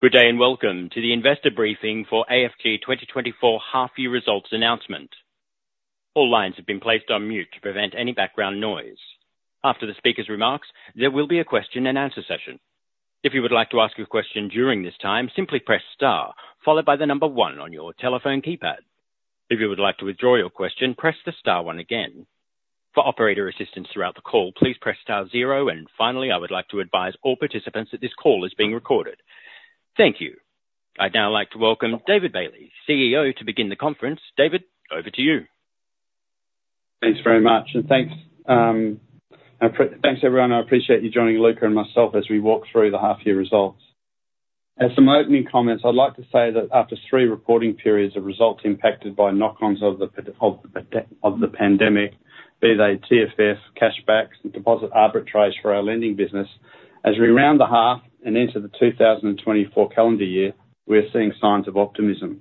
Good day and welcome to the investor briefing for AFG 2024 half-year results announcement. All lines have been placed on mute to prevent any background noise. After the speaker's remarks, there will be a question-and-answer session. If you would like to ask a question during this time, simply press * followed by the number one on your telephone keypad. If you would like to withdraw your question, press the * one again. For operator assistance throughout the call, please press star zero. And finally, I would like to advise all participants that this call is being recorded. Thank you. I'd now like to welcome David Bailey, CEO, to begin the conference. David, over to you. Thanks very much. And thanks, thanks everyone. I appreciate you joining Luca and myself as we walk through the half-year results. As some opening comments, I'd like to say that after three reporting periods of results impacted by knock-ons of the pandemic, be they TFF, cashbacks, and deposit arbitrage for our lending business, as we round the half and enter the 2024 calendar year, we're seeing signs of optimism.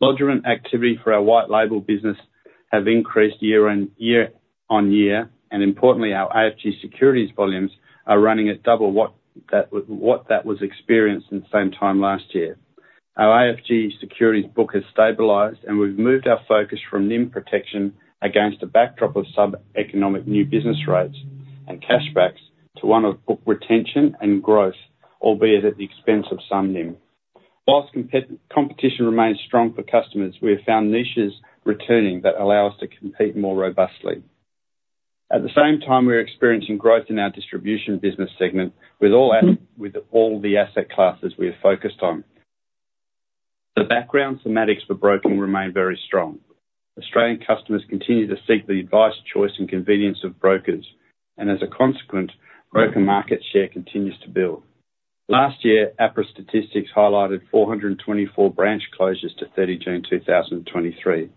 Lodgement and activity for our white-label business have increased year on year on year, and importantly, our AFG Securities volumes are running at double what that was experienced in the same time last year. Our AFG Securities Book has stabilized, and we've moved our focus from NIM protection against a backdrop of sub-economic new business rates and cashbacks to one of book retention and growth, albeit at the expense of some NIM. While competition remains strong for customers, we have found niches returning that allow us to compete more robustly. At the same time, we're experiencing growth in our distribution business segment with all the asset classes we have focused on. The background thematics for broking remain very strong. Australian customers continue to seek the advice, choice, and convenience of brokers, and as a consequence, broker market share continues to build. Last year, APRA statistics highlighted 424 branch closures to 30 June 2023.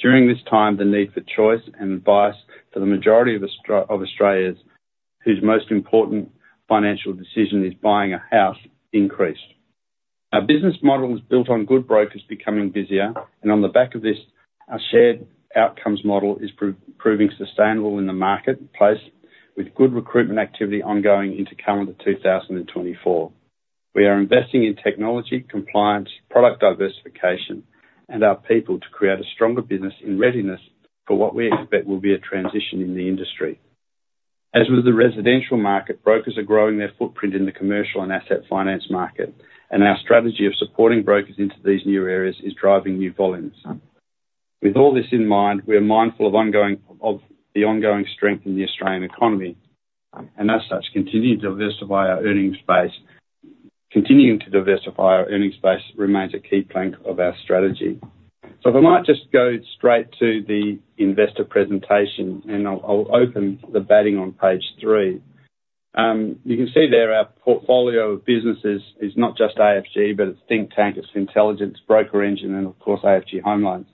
During this time, the need for choice and advice for the majority of Australians whose most important financial decision is buying a house increased. Our business model is built on good brokers becoming busier, and on the back of this, our shared outcomes model is proving sustainable in the marketplace with good recruitment activity ongoing into calendar 2024. We are investing in technology, compliance, product diversification, and our people to create a stronger business in readiness for what we expect will be a transition in the industry. As with the residential market, brokers are growing their footprint in the commercial and asset finance market, and our strategy of supporting brokers into these new areas is driving new volumes. With all this in mind, we are mindful of the ongoing strength in the Australian economy, and as such, continuing to diversify our earnings base remains a key plank of our strategy. So if I might just go straight to the investor presentation, and I'll open the batting on page 3. You can see there our portfolio of businesses is not just AFG, but it's Thinktank, it's Fintelligence, BrokerEngine, and of course, AFG Home Loans.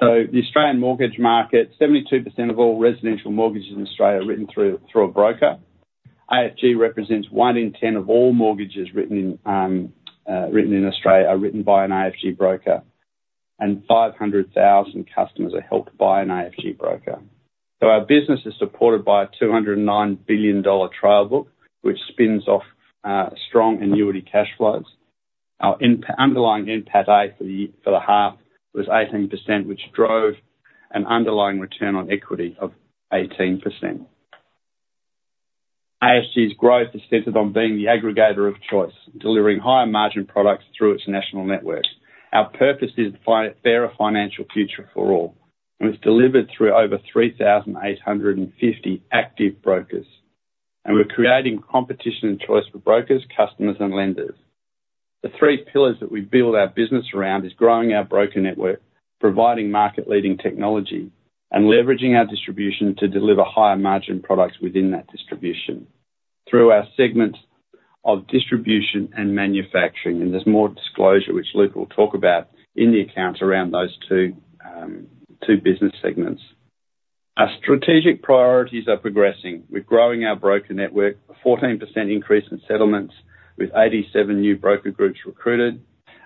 So the Australian mortgage market, 72% of all residential mortgages in Australia are written through a broker. AFG represents 1 in 10 of all mortgages written in Australia are written by an AFG broker, and 500,000 customers are helped by an AFG broker. So our business is supported by a 209 billion dollar trail book, which spins off strong annuity cash flows. Our interim underlying NPATA for the half was 18%, which drove an underlying return on equity of 18%. AFG's growth is centered on being the aggregator of choice, delivering higher margin products through its national network. Our purpose is to find a fairer financial future for all, and it's delivered through over 3,850 active brokers. We're creating competition and choice for brokers, customers, and lenders. The three pillars that we build our business around is growing our broker network, providing market-leading technology, and leveraging our distribution to deliver higher margin products within that distribution through our segments of distribution and manufacturing. There's more disclosure, which Luca will talk about, in the accounts around those two, two business segments. Our strategic priorities are progressing. We're growing our broker network, a 14% increase in settlements with 87 new broker groups recruited.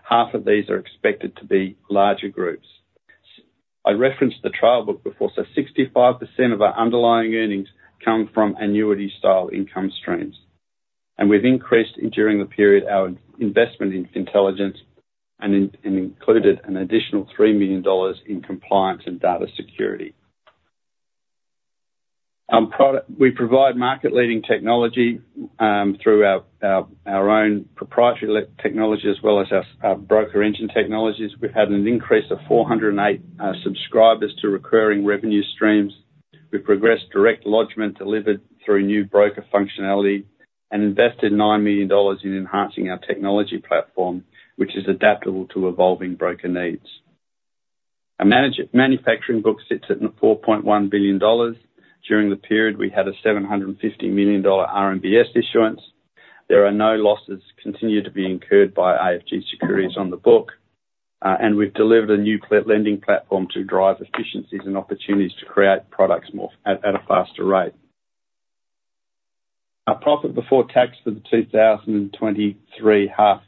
Half of these are expected to be larger groups. As I referenced the trail book before, so 65% of our underlying earnings come from annuity-style income streams. We've increased during the period our investment in Fintelligence and included an additional 3 million dollars in compliance and data security. The products we provide market-leading technology, through our own proprietary technology as well as our BrokerEngine technologies. We've had an increase of 408 subscribers to recurring revenue streams. We've progressed direct lodgment delivered through new broker functionality and invested 9 million dollars in enhancing our technology platform, which is adaptable to evolving broker needs. Our managed manufacturing book sits at 4.1 billion dollars. During the period, we had a 750 million dollar RMBS issuance. There continue to be no losses incurred by AFG Securities on the book, and we've delivered a new flexible lending platform to drive efficiencies and opportunities to create products more flexibly at a faster rate. Our profit before tax for the first half of the 2024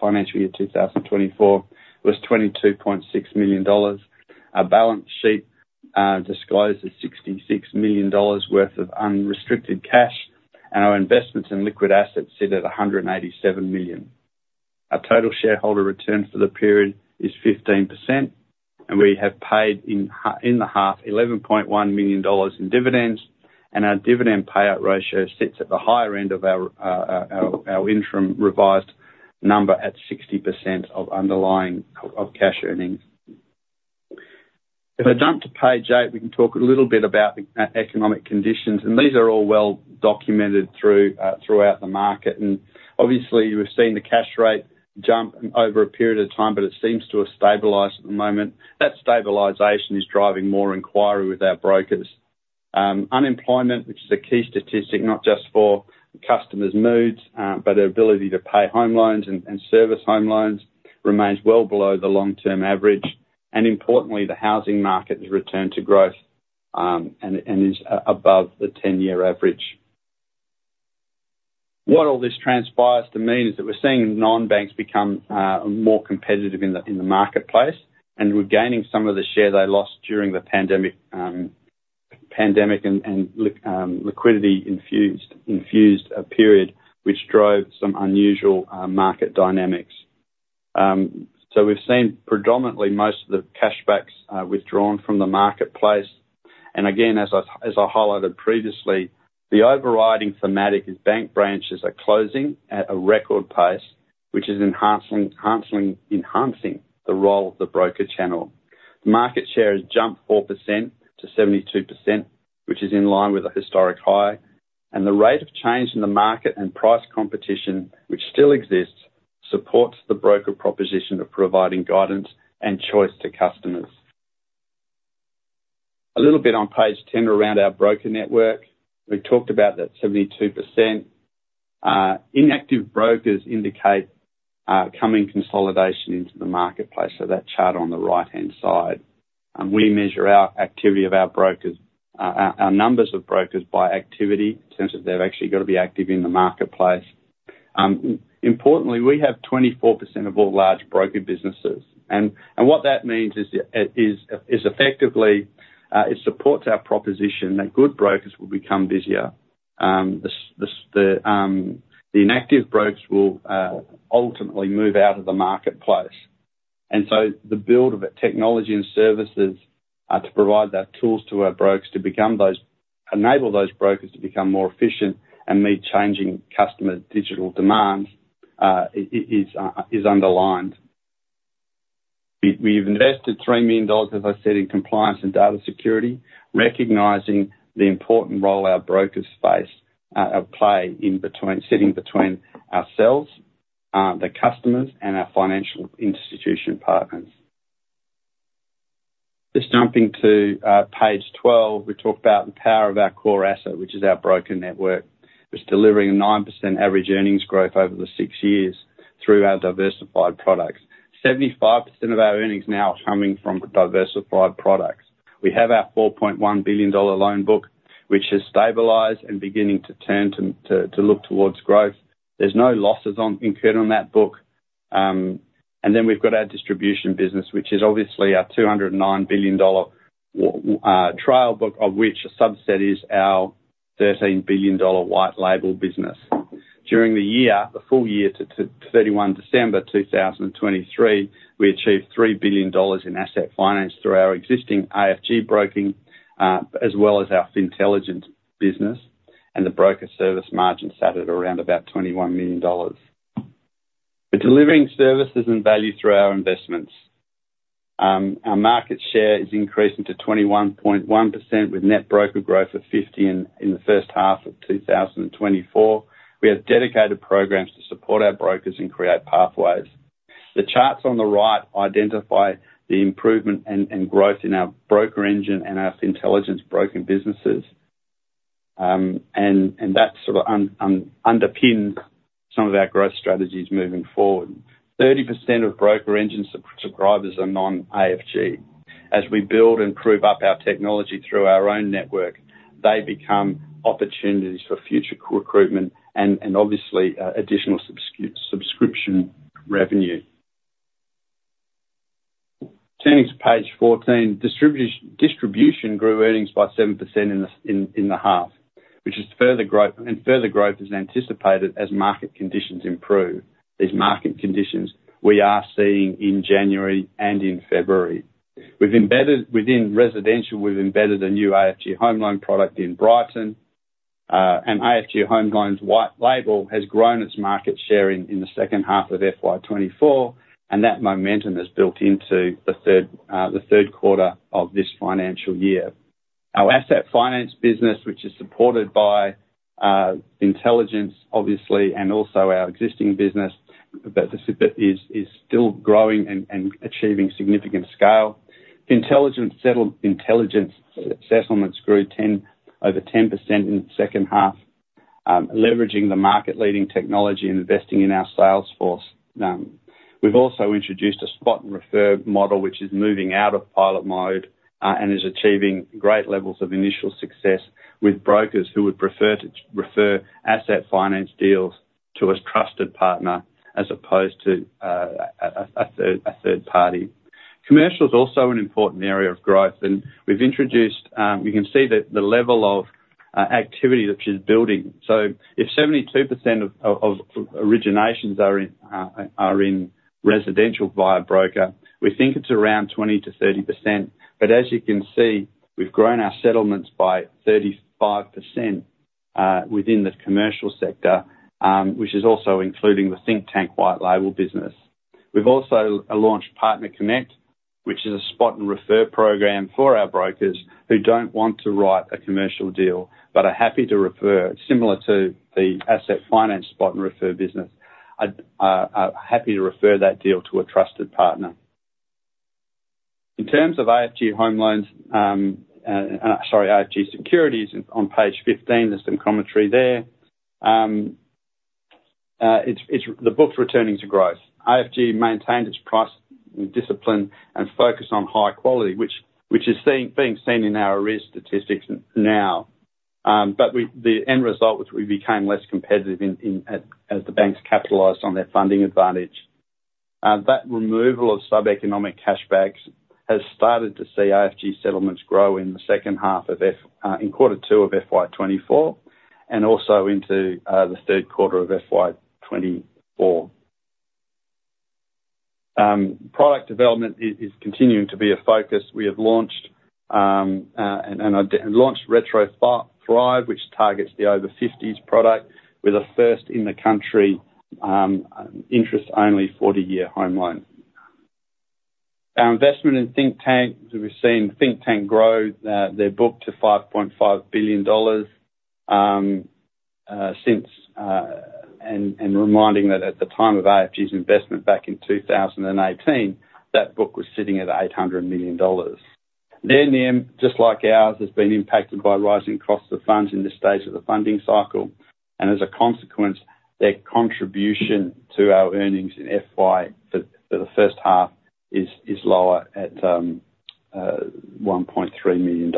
financial year was AUD 22.6 million. Our balance sheet discloses AUD 66 million worth of unrestricted cash, and our investments in liquid assets sit at AUD 187 million. Our total shareholder return for the period is 15%, and we have paid in the half 11.1 million dollars in dividends, and our dividend payout ratio sits at the higher end of our interim revised number at 60% of underlying cash earnings. If I jump to page 8, we can talk a little bit about the economic conditions. These are all well documented throughout the market. Obviously, we've seen the cash rate jump over a period of time, but it seems to have stabilized at the moment. That stabilization is driving more inquiry with our brokers. Unemployment, which is a key statistic not just for customers' moods, but their ability to pay home loans and service home loans, remains well below the long-term average. And importantly, the housing market has returned to growth, and is above the 10-year average. What all this transpires to mean is that we're seeing non-banks become more competitive in the marketplace, and we're gaining some of the share they lost during the pandemic and liquidity-infused period, which drove some unusual market dynamics. So we've seen predominantly most of the cashbacks withdrawn from the marketplace. And again, as I highlighted previously, the overriding thematic is bank branches are closing at a record pace, which is enhancing the role of the broker channel. The market share has jumped 4%-72%, which is in line with a historic high. The rate of change in the market and price competition, which still exists, supports the broker proposition of providing guidance and choice to customers. A little bit on page 10 around our broker network. We talked about that 72% inactive brokers indicate coming consolidation into the marketplace. So that chart on the right-hand side. We measure our activity of our brokers, our numbers of brokers by activity in terms of they've actually got to be active in the marketplace. Importantly, we have 24% of all large broker businesses. And what that means is effectively it supports our proposition that good brokers will become busier. The inactive brokers will ultimately move out of the marketplace. And so the build of a technology and services, to provide that tools to our brokers to become those enable those brokers to become more efficient and meet changing customer digital demands, is underlined. We've invested 3 million dollars, as I said, in compliance and data security, recognizing the important role our brokers play, sitting between ourselves, the customers, and our financial institution partners. Just jumping to page 12, we talk about the power of our core asset, which is our broker network. It's delivering a 9% average earnings growth over the six years through our diversified products. 75% of our earnings now are coming from diversified products. We have our 4.1 billion dollar loan book, which has stabilized and is beginning to turn to look towards growth. There's no losses incurred on that book. And then we've got our Distribution Business, which is obviously our 209 billion dollar trail book, of which a subset is our 13 billion dollar white-label business. During the year, the full year to 31 December 2023, we achieved 3 billion dollars in asset finance through our existing AFG broking, as well as our Fintelligence business, and the broker service margin sat at around about 21 million dollars. We're delivering services and value through our investments. Our market share is increasing to 21.1% with net broker growth of 50 in the first half of 2024. We have dedicated programs to support our brokers and create pathways. The charts on the right identify the improvement and growth in our BrokerEngine and our Fintelligence broker businesses. And that sort of underpins some of our growth strategies moving forward. 30% of BrokerEngine subscribers are non-AFG. As we build and prove up our technology through our own network, they become opportunities for future recruitment and, and obviously, additional subscription revenue. Turning to page 14, distribution grew earnings by 7% in the half, which is further growth and further growth is anticipated as market conditions improve. These market conditions we are seeing in January and in February. We've embedded within residential, we've embedded a new AFG Home Loans product in Brighten, and AFG Home Loans white label has grown its market share in the second half of FY24, and that momentum is built into the third quarter of this financial year. Our asset finance business, which is supported by, Fintelligence, obviously, and also our existing business, but it is still growing and achieving significant scale. Fintelligence settlements grew over 10% in the second half, leveraging the market-leading technology and investing in our sales force. We've also introduced a spot and refer model, which is moving out of pilot mode, and is achieving great levels of initial success with brokers who would prefer to refer asset finance deals to a trusted partner as opposed to a third party. Commercial's also an important area of growth, and we've introduced. You can see the level of activity that she's building. So if 72% of originations are in residential via broker, we think it's around 20%-30%. But as you can see, we've grown our settlements by 35%, within the commercial sector, which is also including the Thinktank white label business. We've also launched Partner Connect, which is a spot and refer program for our brokers who don't want to write a commercial deal but are happy to refer similar to the asset finance spot and refer business, happy to refer that deal to a trusted partner. In terms of AFG Home Loans, and sorry, AFG Securities on page 15, there's some commentary there. It's the book's returning to growth. AFG maintained its price discipline and focus on high quality, which is being seen in our risk statistics now. But the end result was we became less competitive in as the banks capitalized on their funding advantage. That removal of sub-economic cashbacks has started to see AFG settlements grow in the second half in quarter two of FY24 and also into the third quarter of FY24. Product development is continuing to be a focus. We have launched, and I launched Retro, which targets the over-50s product with a first-in-the-country, interest-only 40-year home loan. Our investment in Thinktank we've seen Thinktank grow, their book to AUD 5.5 billion, since, and reminding that at the time of AFG's investment back in 2018, that book was sitting at 800 million dollars. Their name, just like ours, has been impacted by rising costs of funds in this stage of the funding cycle, and as a consequence, their contribution to our earnings in FY for the first half is lower at AUD 1.3 million.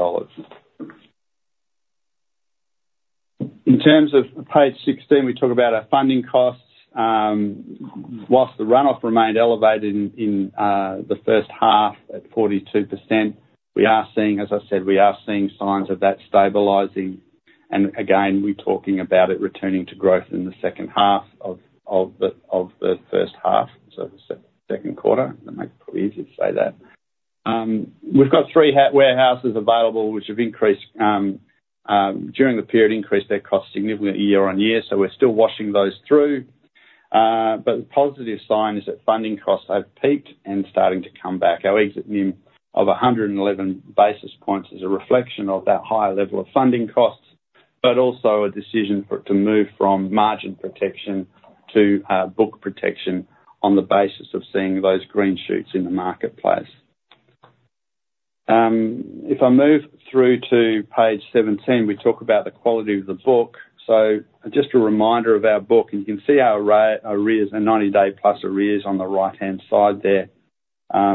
In terms of page 16, we talk about our funding costs. While the runoff remained elevated in the first half at 42%, we are seeing as I said, we are seeing signs of that stabilizing. Again, we're talking about it returning to growth in the second half of the first half, so the second quarter. That makes it pretty easy to say that. We've got three warehouses available, which have increased their costs significantly year-on-year during the period. So we're still washing those through. But the positive sign is that funding costs have peaked and starting to come back. Our exit NIM of 111 basis points is a reflection of that higher level of funding costs but also a decision for it to move from margin protection to book protection on the basis of seeing those green shoots in the marketplace. If I move through to page 17, we talk about the quality of the book. So just a reminder of our book, and you can see our arrears, our 90-day-plus arrears on the right-hand side there,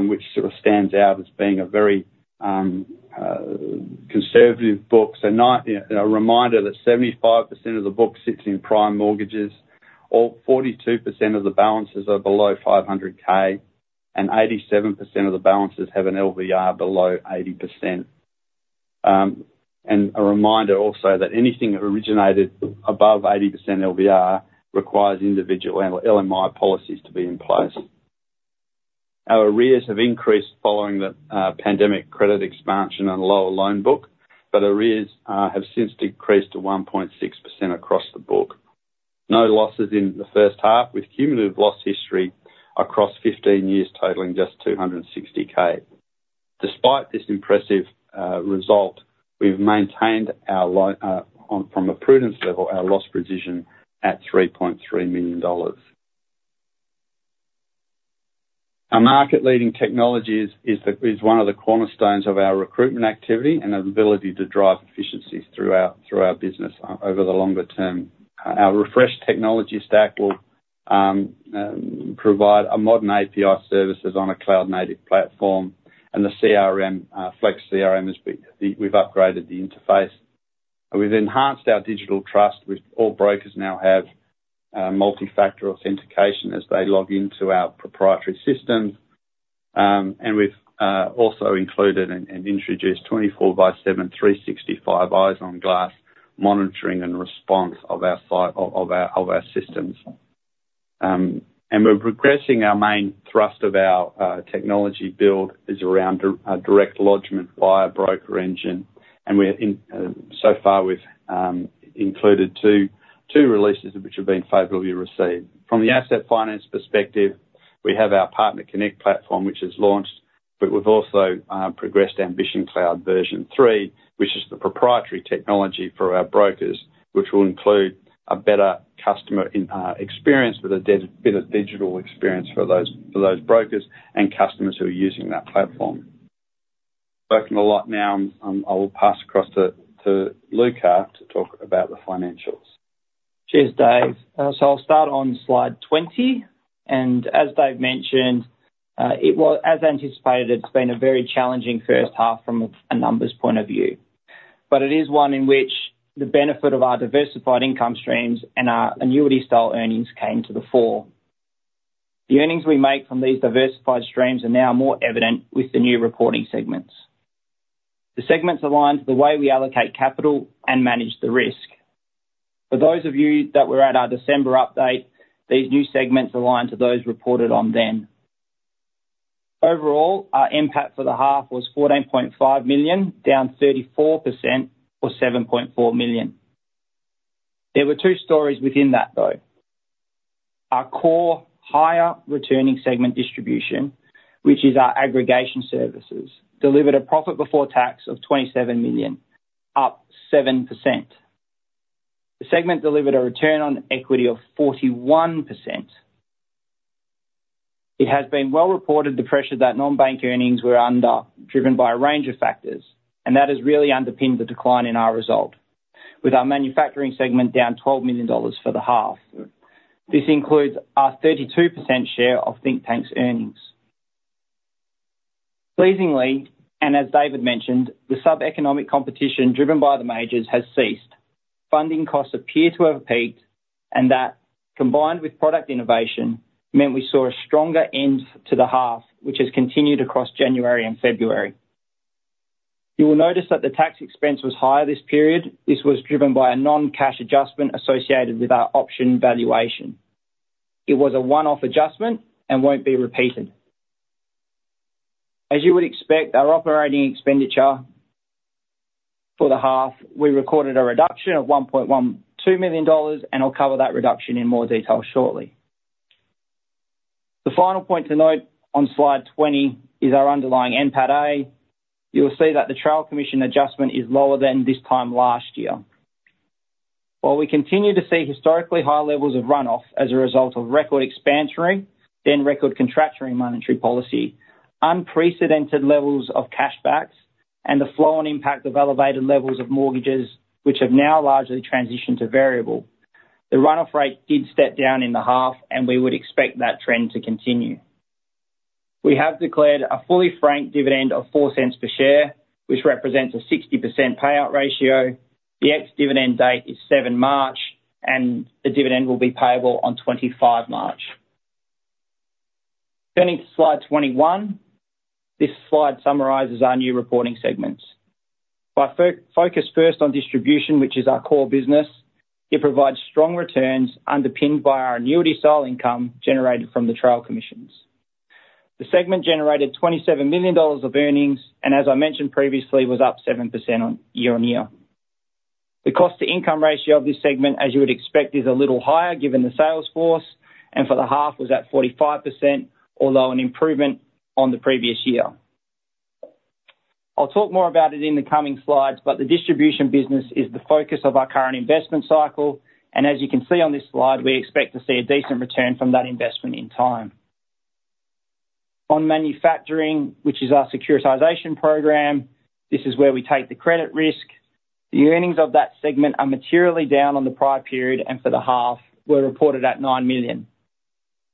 which sort of stands out as being a very conservative book. So, a reminder that 75% of the book sits in prime mortgages. All 42% of the balances are below 500,000, and 87% of the balances have an LVR below 80%. And a reminder also that anything that originated above 80% LVR requires individual LMI policies to be in place. Our arrears have increased following the pandemic credit expansion and lower loan book, but arrears have since decreased to 1.6% across the book. No losses in the first half with cumulative loss history across 15 years totaling just 260,000. Despite this impressive result, we've maintained our provision from a prudence level, our loss provision at 3.3 million dollars. Our market-leading technology is one of the cornerstones of our recruitment activity and our ability to drive efficiencies throughout our business over the longer term. Our Refresh Technology Stack will provide a modern API services on a cloud-native platform, and the CRM, Flex CRM has been we've upgraded the interface. We've enhanced our digital trust. All brokers now have multifactor authentication as they log into our proprietary systems. And we've also included and introduced 24/7 365 eyes on glass monitoring and response of our site of our systems. And we're progressing our main thrust of our technology build is around direct lodgement via BrokerEngine, and so far we've included two releases of which have been favorably received. From the asset finance perspective, we have our Partner Connect platform, which has launched, but we've also progressed Ambition Cloud version 3, which is the proprietary technology for our brokers, which will include a better customer experience with a bit of digital experience for those brokers and customers who are using that platform. Working a lot now. I will pass across to Luca to talk about the financials. Cheers, Dave. I'll start on slide 20. As Dave mentioned, it was as anticipated. It's been a very challenging first half from a numbers point of view, but it is one in which the benefit of our diversified income streams and our annuity-style earnings came to the fore. The earnings we make from these diversified streams are now more evident with the new reporting segments. The segments align to the way we allocate capital and manage the risk. For those of you that were at our December update, these new segments align to those reported on then. Overall, our NPAT for the half was 14.5 million, down 34% or 7.4 million. There were two stories within that, though. Our core higher-returning segment distribution, which is our aggregation services, delivered a profit before tax of AUD 27 million, up 7%. The segment delivered a return on equity of 41%. It has been well-reported the pressure that non-bank earnings were under, driven by a range of factors, and that has really underpinned the decline in our result, with our manufacturing segment down 12 million dollars for the half. This includes our 32% share of Thinktank's earnings. Pleasingly, and as David mentioned, the sub-economic competition driven by the majors has ceased. Funding costs appear to have peaked, and that, combined with product innovation, meant we saw a stronger end to the half, which has continued across January and February. You will notice that the tax expense was higher this period. This was driven by a non-cash adjustment associated with our option valuation. It was a one-off adjustment and won't be repeated. As you would expect, our operating expenditure for the half, we recorded a reduction of 1.12 million dollars, and I'll cover that reduction in more detail shortly. The final point to note on slide 20 is our underlying NPATA. You'll see that the trail commission adjustment is lower than this time last year. While we continue to see historically high levels of runoff as a result of record expansionary, then record contractionary monetary policy, unprecedented levels of cashbacks, and the flow and impact of elevated levels of mortgages, which have now largely transitioned to variable, the runoff rate did step down in the half, and we would expect that trend to continue. We have declared a fully franked dividend of 0.04 per share, which represents a 60% payout ratio. The ex-dividend date is 7 March, and the dividend will be payable on 25 March. Turning to slide 21, this slide summarizes our new reporting segments. Focusing first on distribution, which is our core business, it provides strong returns underpinned by our annuity-style income generated from the trail commissions. The segment generated 27 million dollars of earnings and, as I mentioned previously, was up 7% year-on-year. The cost-to-income ratio of this segment, as you would expect, is a little higher given the sales force, and for the half, was at 45%, although an improvement on the previous year. I'll talk more about it in the coming slides, but the Distribution Business is the focus of our current investment cycle, and as you can see on this slide, we expect to see a decent return from that investment in time. On Manufacturing, which is our securitization program, this is where we take the credit risk. The earnings of that segment are materially down on the prior period, and for the half, were reported at 9 million.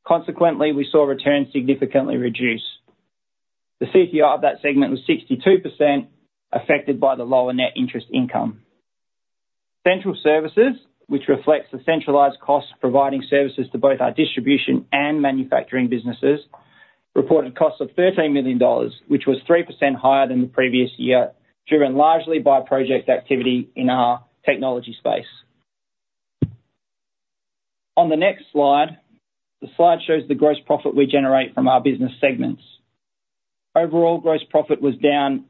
Consequently, we saw returns significantly reduce. The CTI of that segment was 62%, affected by the lower net interest income. Central services, which reflects the centralized costs providing services to both our distribution and manufacturing businesses, reported costs of 13 million dollars, which was 3% higher than the previous year driven largely by project activity in our technology space. On the next slide, the slide shows the gross profit we generate from our business segments. Overall, gross profit was down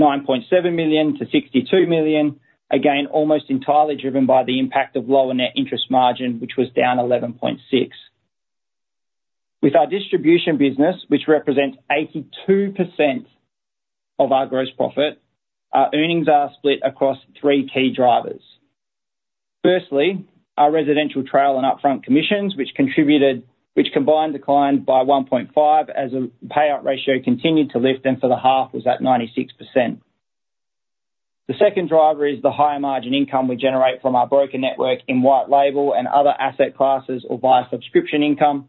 9.7 million to 62 million, again, almost entirely driven by the impact of lower net interest margin, which was down 11.6. With our distribution business, which represents 82% of our gross profit, our earnings are split across three key drivers. Firstly, our residential trail and upfront commissions, which contributed which combined declined by 1.5 million as the payout ratio continued to lift, and for the half, was at 96%. The second driver is the higher margin income we generate from our broker network in white label and other asset classes or via subscription income.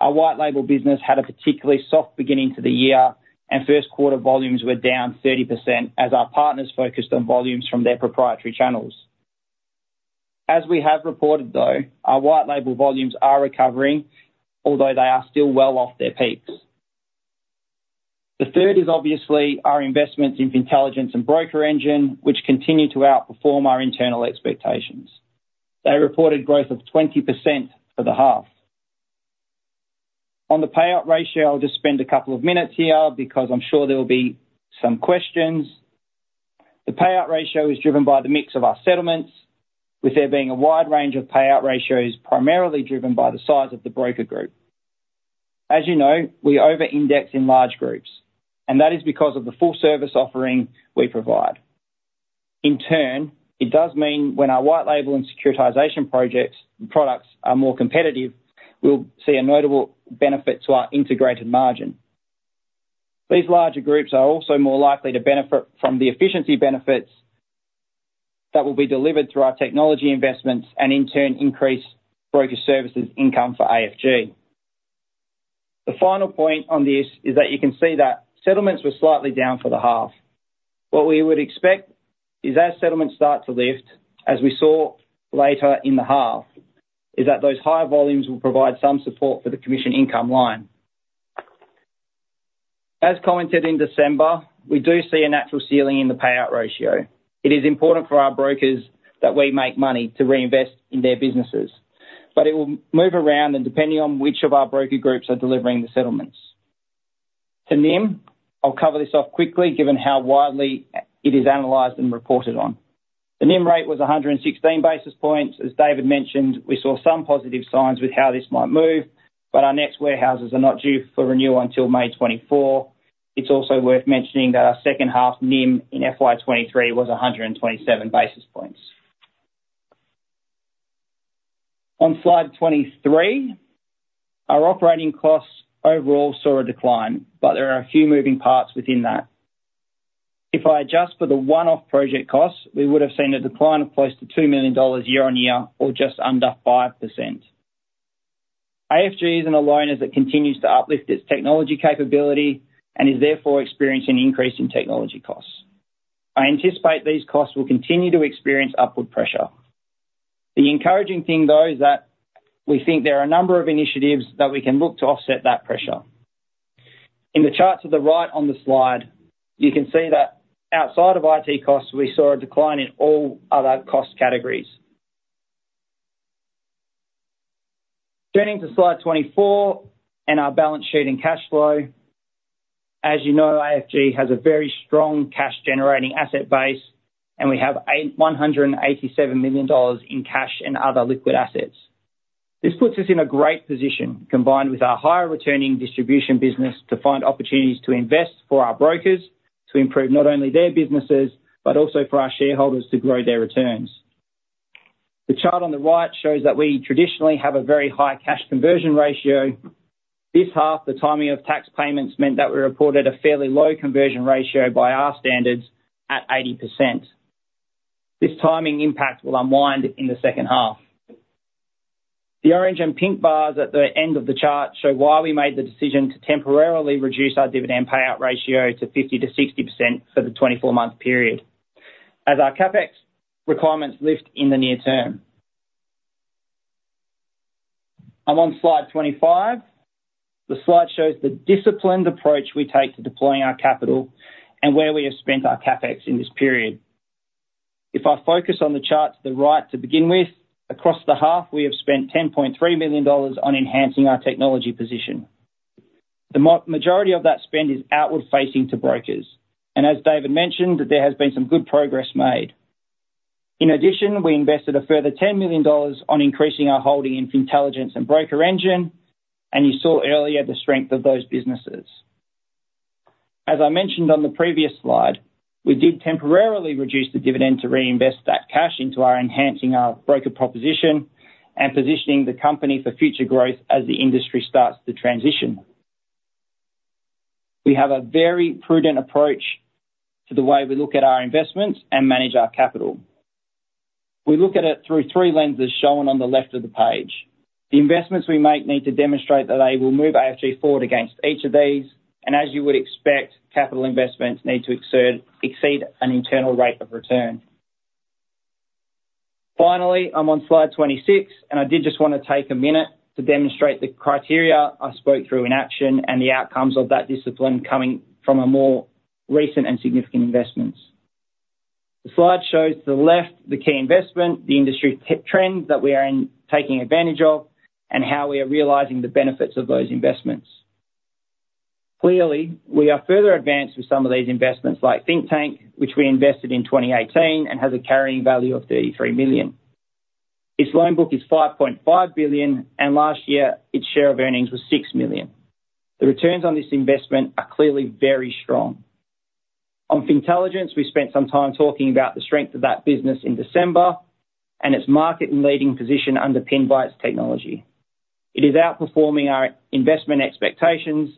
Our white label business had a particularly soft beginning to the year, and first quarter volumes were down 30% as our partners focused on volumes from their proprietary channels. As we have reported, though, our white label volumes are recovering, although they are still well off their peaks. The third is obviously our investments in Fintelligence and BrokerEngine, which continue to outperform our internal expectations. They reported growth of 20% for the half. On the payout ratio, I'll just spend a couple of minutes here because I'm sure there will be some questions. The payout ratio is driven by the mix of our settlements, with there being a wide range of payout ratios primarily driven by the size of the broker group. As you know, we over-index in large groups, and that is because of the full service offering we provide. In turn, it does mean when our white label and securitization projects and products are more competitive, we'll see a notable benefit to our integrated margin. These larger groups are also more likely to benefit from the efficiency benefits that will be delivered through our technology investments and, in turn, increase broker services income for AFG. The final point on this is that you can see that settlements were slightly down for the half. What we would expect is, as settlements start to lift, as we saw later in the half, is that those higher volumes will provide some support for the commission income line. As commented in December, we do see a natural ceiling in the payout ratio. It is important for our brokers that we make money to reinvest in their businesses, but it will move around depending on which of our broker groups are delivering the settlements. To NIM, I'll cover this off quickly given how widely it is analyzed and reported on. The NIM rate was 116 basis points. As David mentioned, we saw some positive signs with how this might move, but our next warehouses are not due for renewal until May 2024. It's also worth mentioning that our second half NIM in FY23 was 127 basis points. On slide 23, our operating costs overall saw a decline, but there are a few moving parts within that. If I adjust for the one-off project costs, we would have seen a decline of close to 2 million dollars year-on-year or just under 5%. AFG isn't alone as it continues to uplift its technology capability and is therefore experiencing an increase in technology costs. I anticipate these costs will continue to experience upward pressure. The encouraging thing, though, is that we think there are a number of initiatives that we can look to offset that pressure. In the charts to the right on the slide, you can see that outside of IT costs, we saw a decline in all other cost categories. Turning to slide 24 and our balance sheet and cash flow, as you know, AFG has a very strong cash-generating asset base, and we have 187 million dollars in cash and other liquid assets. This puts us in a great position combined with our higher-returning distribution business to find opportunities to invest for our brokers to improve not only their businesses but also for our shareholders to grow their returns. The chart on the right shows that we traditionally have a very high Cash Conversion Ratio. This half, the timing of tax payments meant that we reported a fairly low conversion ratio by our standards at 80%. This timing impact will unwind in the second half. The orange and pink bars at the end of the chart show why we made the decision to temporarily reduce our dividend payout ratio to 50%-60% for the 24-month period as our CapEx requirements lift in the near term. I'm on slide 25. The slide shows the disciplined approach we take to deploying our capital and where we have spent our CapEx in this period. If I focus on the chart to the right to begin with, across the half, we have spent 10.3 million dollars on enhancing our technology position. The majority of that spend is outward-facing to brokers, and as David mentioned, there has been some good progress made. In addition, we invested a further 10 million dollars on increasing our holding in Fintelligence and BrokerEngine, and you saw earlier the strength of those businesses. As I mentioned on the previous slide, we did temporarily reduce the dividend to reinvest that cash into enhancing our broker proposition and positioning the company for future growth as the industry starts to transition. We have a very prudent approach to the way we look at our investments and manage our capital. We look at it through three lenses shown on the left of the page. The investments we make need to demonstrate that they will move AFG forward against each of these, and as you would expect, capital investments need to exceed an internal rate of return. Finally, I'm on slide 26, and I did just want to take a minute to demonstrate the criteria I spoke through in action and the outcomes of that discipline coming from our more recent and significant investments. The slide shows to the left the key investment, the industry trend that we are in taking advantage of, and how we are realizing the benefits of those investments. Clearly, we are further advanced with some of these investments like Thinktank, which we invested in 2018 and has a carrying value of 33 million. Its loan book is 5.5 billion, and last year, its share of earnings was 6 million. The returns on this investment are clearly very strong. On Fintelligence, we spent some time talking about the strength of that business in December and its market-leading position underpinned by its technology. It is outperforming our investment expectations,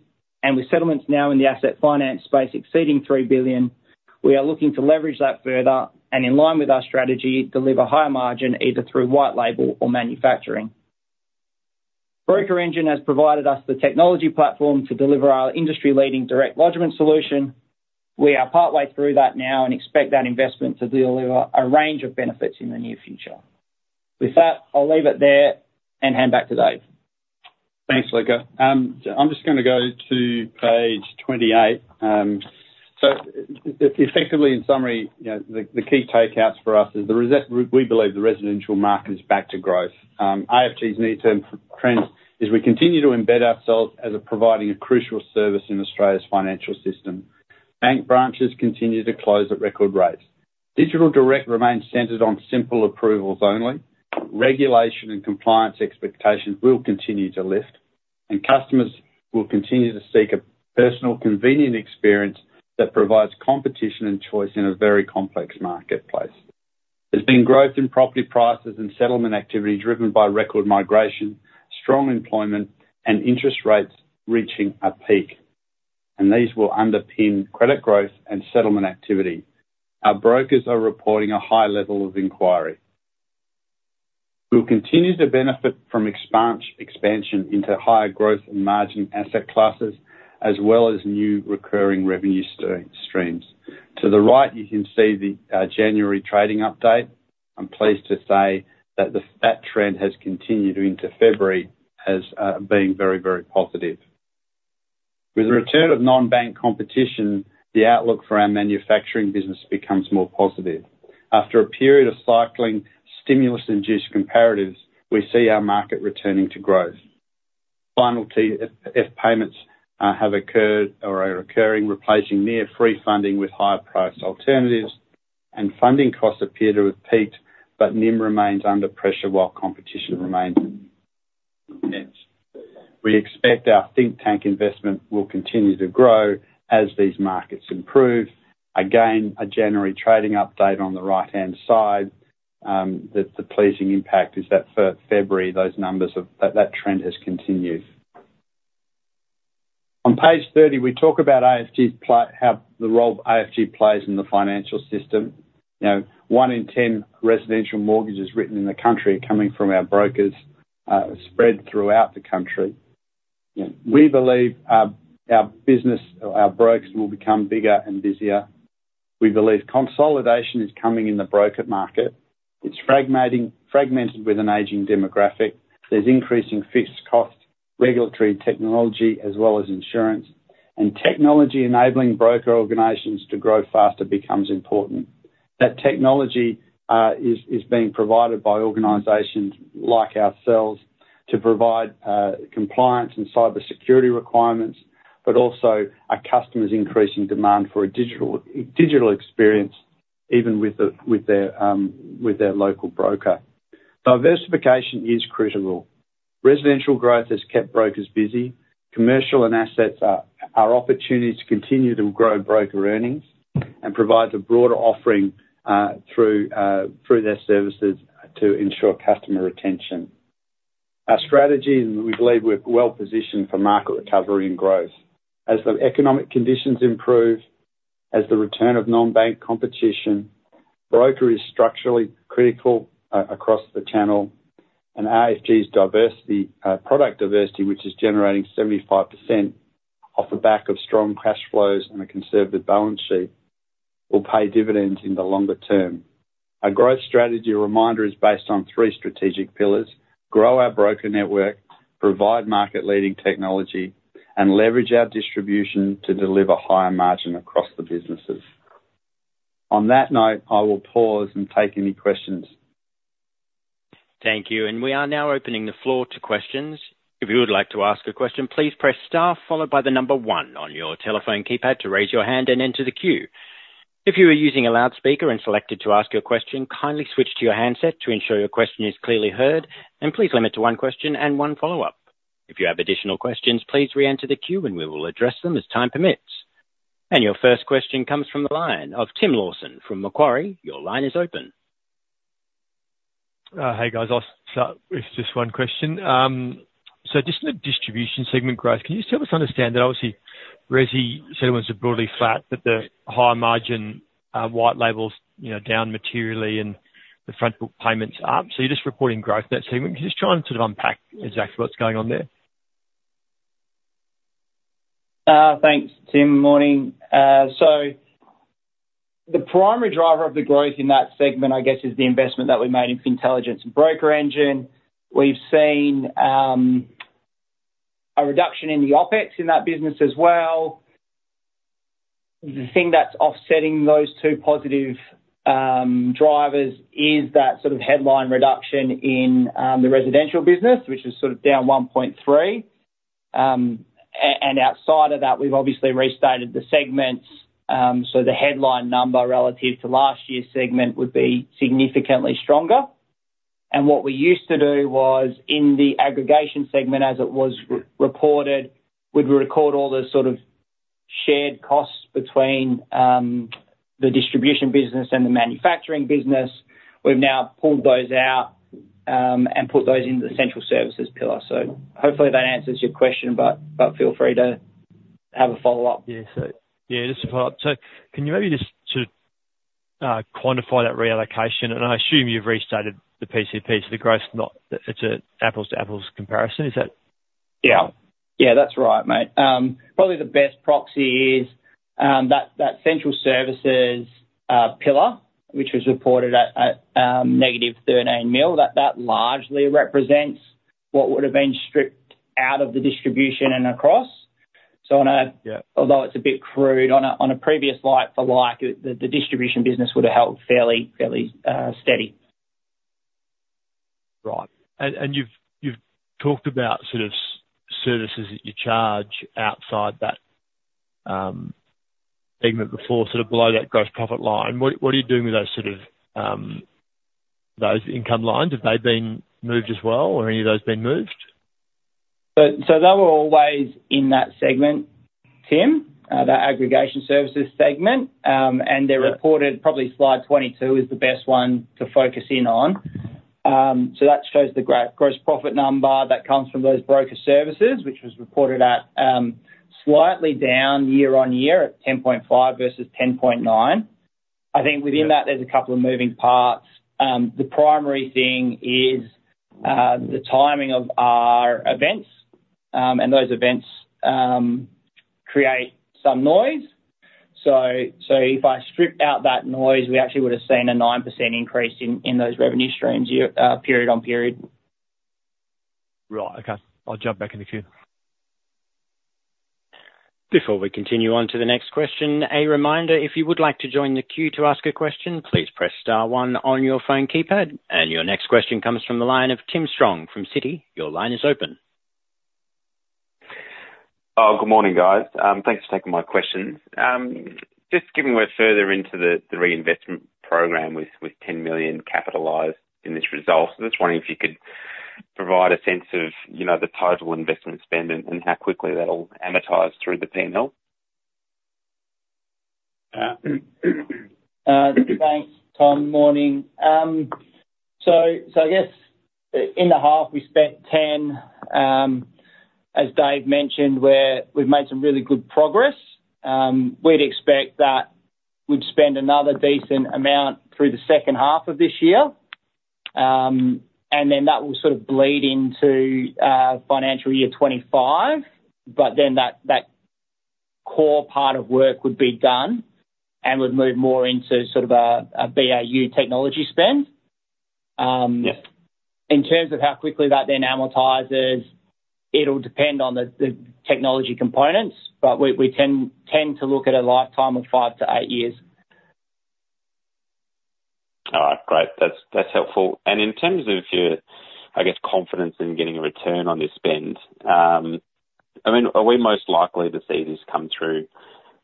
and with settlements now in the asset finance space exceeding 3 billion, we are looking to leverage that further and, in line with our strategy, deliver higher margin either through white label or manufacturing. BrokerEngine has provided us the technology platform to deliver our industry-leading direct lodgement solution. We are partway through that now and expect that investment to deliver a range of benefits in the near future. With that, I'll leave it there and hand back to Dave. Thanks, Luca. I'm just going to go to page 28. So effectively, in summary, you know, the key takeouts for us is the reset, we believe the residential market is back to growth. AFG's near-term trend is we continue to embed ourselves as providing a crucial service in Australia's financial system. Bank branches continue to close at record rates. Digital direct remains centered on simple approvals only. Regulation and compliance expectations will continue to lift, and customers will continue to seek a personal, convenient experience that provides competition and choice in a very complex marketplace. There's been growth in property prices and settlement activity driven by record migration, strong employment, and interest rates reaching a peak, and these will underpin credit growth and settlement activity. Our brokers are reporting a high level of inquiry. We'll continue to benefit from expansion into higher growth and margin asset classes as well as new recurring revenue streams. To the right, you can see the January trading update. I'm pleased to say that that trend has continued into February as being very, very positive. With the return of non-bank competition, the outlook for our manufacturing business becomes more positive. After a period of cycling stimulus-induced comparatives, we see our market returning to growth. Final TFF payments have occurred or are occurring, replacing near-free funding with higher-priced alternatives, and funding costs appear to have peaked, but NIM remains under pressure while competition remains intense. We expect our Thinktank investment will continue to grow as these markets improve. Again, a January trading update on the right-hand side, the pleasing impact is that for February, those numbers, that trend has continued. On page 30, we talk about AFG's place: how the role AFG plays in the financial system. You know, one in 10 residential mortgages written in the country are coming from our brokers, spread throughout the country. You know, we believe, our business or our brokers will become bigger and busier. We believe consolidation is coming in the broker market. It's fragmented with an aging demographic. There's increasing fixed cost regulatory technology as well as insurance, and technology enabling broker organizations to grow faster becomes important. That technology is being provided by organizations like ourselves to provide compliance and cybersecurity requirements but also our customers' increasing demand for a digital experience even with their local broker. Diversification is critical. Residential growth has kept brokers busy. Commercial and assets are our opportunity to continue to grow broker earnings and provides a broader offering through their services to ensure customer retention. Our strategy, and we believe we're well-positioned for market recovery and growth. As the economic conditions improve, as the return of non-bank competition, broker is structurally critical across the channel, and AFG's diversity, product diversity, which is generating 75% off the back of strong cash flows and a conservative balance sheet, will pay dividends in the longer term. Our growth strategy reminder is based on three strategic pillars: grow our broker network, provide market-leading technology, and leverage our distribution to deliver higher margin across the businesses. On that note, I will pause and take any questions. Thank you. And we are now opening the floor to questions. If you would like to ask a question, please press star followed by the number 1 on your telephone keypad to raise your hand and enter the queue. If you are using a loudspeaker and selected to ask your question, kindly switch to your handset to ensure your question is clearly heard, and please limit to one question and one follow-up. If you have additional questions, please re-enter the queue, and we will address them as time permits. And your first question comes from the line of Tim Lawson from Macquarie. Your line is open. Hey, guys. I'll start with just one question. Just in the distribution segment, guys, can you just help us understand that obviously, Resi settlements are broadly flat, but the higher margin, white labels, you know, down materially, and the front-book payments up. You're just reporting growth in that segment. Can you just try and sort of unpack exactly what's going on there? Thanks, Tim. Morning. The primary driver of the growth in that segment, I guess, is the investment that we made in Fintelligence and BrokerEngine. We've seen a reduction in the OpEx in that business as well. The thing that's offsetting those two positive drivers is that sort of headline reduction in the residential business, which is sort of down 1.3. And outside of that, we've obviously restated the segments, so the headline number relative to last year's segment would be significantly stronger. And what we used to do was in the aggregation segment, as it was reported, would we record all the sort of shared costs between the distribution business and the manufacturing business. We've now pulled those out and put those into the central services pillar. So hopefully, that answers your question, but feel free to have a follow-up. Yeah. So, yeah, just a follow-up. So can you maybe just sort of quantify that reallocation? And I assume you've restated the PCP, so the growth's not, it's an apples-to-apples comparison. Is that? Yeah. Yeah, that's right, mate. Probably the best proxy is that central services pillar, which was reported at negative 13 million, that largely represents what would have been stripped out of the distribution and across. So on a. Yeah. Although it's a bit crude, on a previous like-for-like, the distribution business would have held fairly steady. Right. And you've talked about sort of services that you charge outside that segment before, sort of below that gross profit line. What are you doing with those sort of income lines? Have they been moved as well, or any of those been moved? So they were always in that segment, Tim, that aggregation services segment. And they're reported. Yeah. Probably slide 22 is the best one to focus in on. That shows the gross profit number that comes from those broker services, which was reported at slightly down year-on-year at 10.5 versus 10.9. I think within that, there's a couple of moving parts. The primary thing is the timing of our events. Those events create some noise. So if I stripped out that noise, we actually would have seen a 9% increase in those revenue streams year period on period. Right. Okay. I'll jump back in the queue. Before we continue on to the next question, a reminder: if you would like to join the queue to ask a question, please press star 1 on your phone keypad. And your next question comes from the line of Tom Strong from Citi. Your line is open. Oh, good morning, guys. Thanks for taking my questions. Just given we're further into the reinvestment program with 10 million capitalised in this result, I was just wondering if you could provide a sense of, you know, the total investment spend and how quickly that'll amortize through the P&L. Thanks, Tim. Morning. So, so I guess, in the half, we spent 10, as Dave mentioned, where we've made some really good progress. We'd expect that we'd spend another decent amount through the second half of this year. And then that will sort of bleed into financial year 2025, but then that core part of work would be done and would move more into sort of a BAU technology spend. Yes. In terms of how quickly that then amortizes, it'll depend on the technology components, but we tend to look at a lifetime of 5-8 years. All right. Great. That's, that's helpful. And in terms of your, I guess, confidence in getting a return on this spend, I mean, are we most likely to see this come through,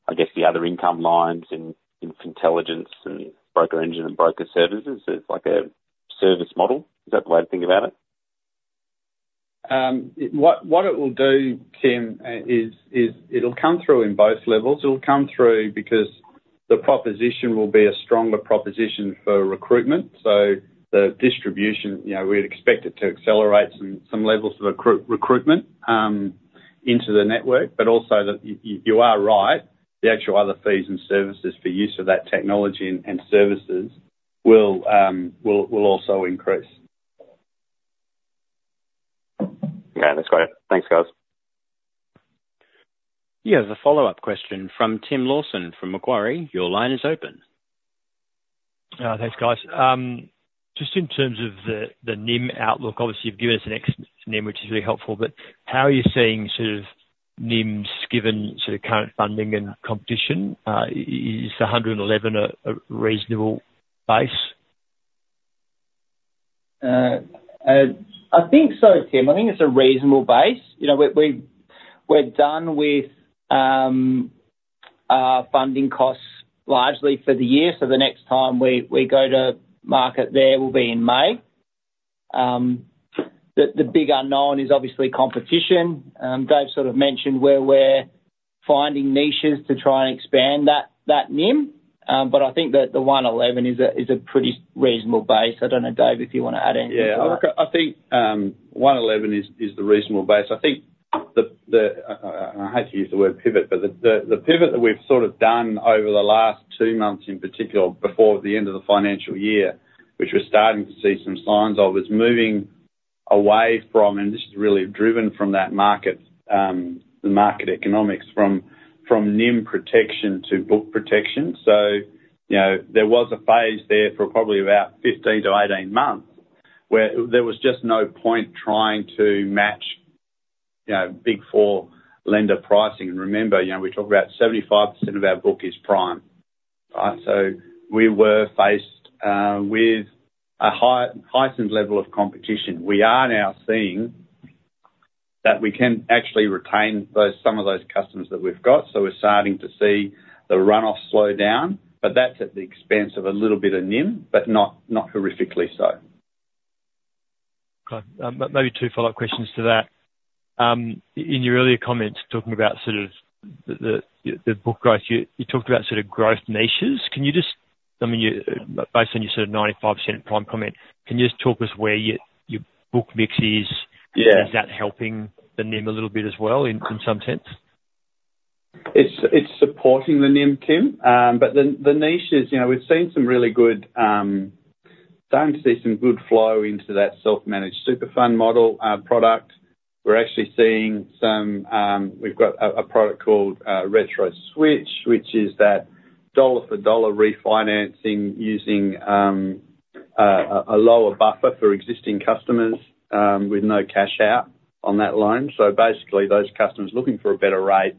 I guess, the other income lines in, in Fintelligence and BrokerEngine and broker services as, like, a service model? Is that the way to think about it? What it will do, Tim, is it'll come through in both levels. It'll come through because the proposition will be a stronger proposition for recruitment. So the distribution, you know, we'd expect it to accelerate some levels of recruitment into the network, but also that you are right, the actual other fees and services for use of that technology and services will also increase. Yeah. That's great. Thanks, guys. Yeah. There's a follow-up question from Tim Lawson from Macquarie. Your line is open. Thanks, guys. Just in terms of the nim outlook, obviously, you've given us an ex nim, which is really helpful, but how are you seeing sort of nim's given sort of current funding and competition? Is 111 a reasonable base? I think so, Tim. I think it's a reasonable base. You know, we're done with our funding costs largely for the year, so the next time we go to market there will be in May. The big unknown is obviously competition. Dave sort of mentioned where we're finding niches to try and expand that NIM, but I think that the 111 is a pretty reasonable base. I don't know, Dave, if you wanna add anything to that. Yeah. I reckon I think, 111 is the reasonable base. I think the, the I hate to use the word pivot, but the pivot that we've sort of done over the last two months in particular before the end of the financial year, which we're starting to see some signs of, is moving away from and this is really driven from that market, the market economics, from NIM protection to book protection. So, you know, there was a phase there for probably about 15-18 months where there was just no point trying to match, you know, Big Four lender pricing. And remember, you know, we talk about 75% of our book is prime, right? So we were faced with a heightened level of competition. We are now seeing that we can actually retain some of those customers that we've got, so we're starting to see the runoff slow down, but that's at the expense of a little bit of NIM but not, not horrifically so. Great. Maybe two follow-up questions to that. In your earlier comments talking about sort of the book growth, you talked about sort of growth niches. Can you just—I mean, you based on your sort of 95% prime comment, can you just talk us where your book mix is? Yeah. Is that helping the NIM a little bit as well in some sense? It's, it's supporting the NIM, Tim. But the, the niches you know, we've seen some really good, starting to see some good flow into that self-managed super fund model, product. We're actually seeing some we've got a, a product called, Retro Switch, which is that dollar-for-dollar refinancing using, a, a lower buffer for existing customers, with no cash out on that loan. So basically, those customers looking for a better rate,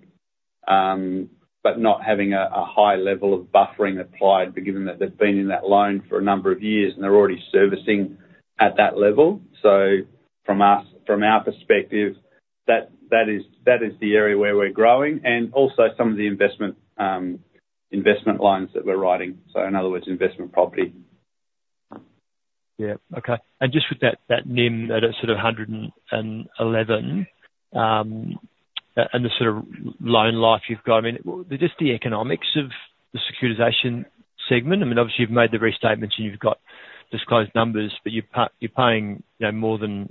but not having a, a high level of buffering applied but given that they've been in that loan for a number of years, and they're already servicing at that level. So from our from our perspective, that, that is the area where we're growing and also some of the investment, investment lines that we're writing. So in other words, investment property. Yeah. Okay. Just with that, that NIM at sort of 111, and the sort of loan life you've got, I mean, just the economics of the securitization segment. I mean, obviously, you've made the restatements, and you've got disclosed numbers, but you're paying, you know, more than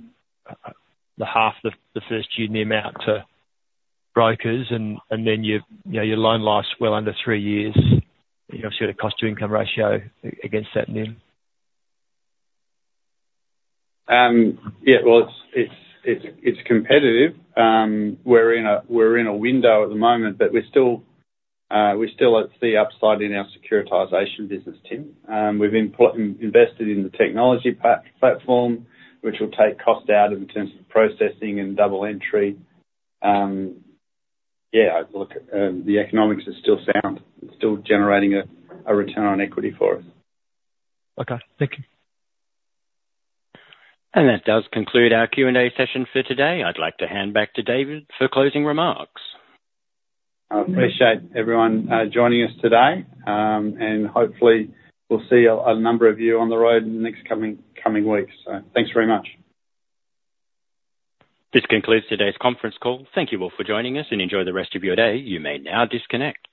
half of the first year NIM out to brokers, and then you know, your loan life's well under three years. You obviously got a cost-to-income ratio against that NIM. Yeah. Well, it's competitive. We're in a window at the moment, but we're still at the upside in our securitization business, Tim. We've invested in the technology platform, which will take cost out in terms of processing and double entry. Yeah. Look, the economics are still sound. It's still generating a return on equity for us. Okay. Thank you. That does conclude our Q&A session for today. I'd like to hand back to David for closing remarks. Appreciate everyone joining us today. Hopefully, we'll see a number of you on the road in the next coming weeks. So thanks very much. This concludes today's conference call. Thank you all for joining us, and enjoy the rest of your day. You may now disconnect.